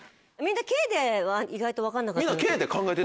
みんな「Ｋ」で意外と分かんなかったの？